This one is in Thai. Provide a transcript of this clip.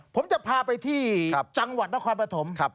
ผมจะพาไปที่จังหวัดนครปฐม